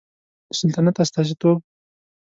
د سلطنت استازیتوب